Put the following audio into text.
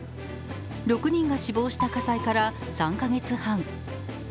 ６人が死亡した火災から３カ月半。